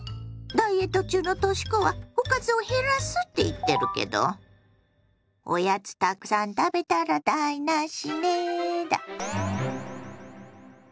ダイエット中のとし子はおかずを減らすって言ってるけどおやつたくさん食べたら台なしねだ。